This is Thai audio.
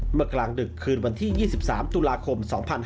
เมื่อกลางดึกคืนวันที่๒๓ตุลาคม๒๕๖๕